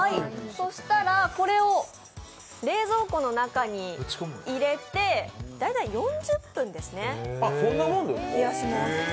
これを冷蔵庫の中に入れて大体４０分冷やします。